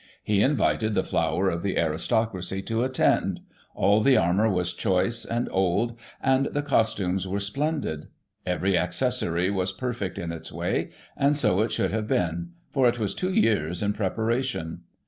He invited the flower of the aristocracy to attend — ^all the armour was choice and old, and the costumes were splendid. Every accessory was perfect in its way ; and so it should have been, for it was two years in preparation.